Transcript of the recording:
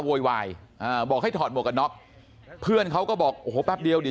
โวยวายบอกให้ถอดหมวกน็อคเพื่อนเขาก็บอกโอ้โหแป๊บเดียวนี่